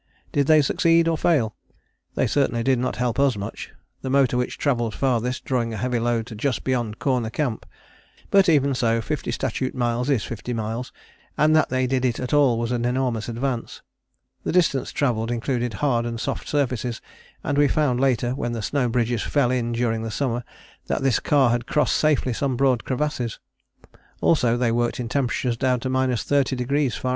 Did they succeed or fail? They certainly did not help us much, the motor which travelled farthest drawing a heavy load to just beyond Corner Camp. But even so fifty statute miles is fifty miles, and that they did it at all was an enormous advance. The distance travelled included hard and soft surfaces, and we found later when the snow bridges fell in during the summer that this car had crossed safely some broad crevasses. Also they worked in temperatures down to 30° Fahr.